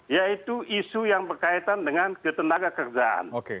yaitu isu yang berkaitan dengan ketenaga kerjaan